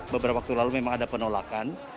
beberapa waktu lalu memang ada penolakan